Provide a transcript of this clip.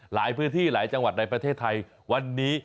หลายพื้นที่หลายจังหวัดในประเทศไทยวันนี้